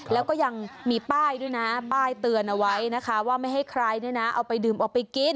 แล้วก็ยังมีป้ายด้วยนะป้ายเตือนเอาไว้นะคะว่าไม่ให้ใครเนี่ยนะเอาไปดื่มเอาไปกิน